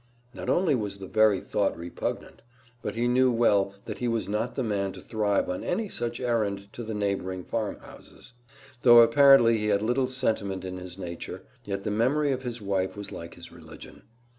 Not only was the very thought repugnant, but he knew well that he was not the man to thrive on any such errand to the neighboring farmhouses. Though apparently he had little sentiment in his nature, yet the memory of his wife was like his religion.